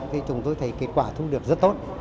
thì chúng tôi thấy kết quả thu được rất tốt